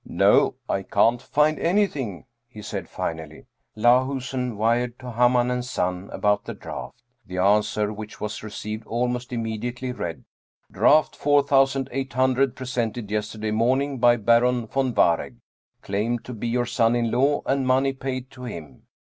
" No, I can't find anything," he said finally. Lahusen wired to Hamann & Son about the draft. The answer, which was received almost immediately, read: " Draft four thousand eight hundred presented yesterday morning by Baron von Waregg. Claimed to be your son in law and money paid to him.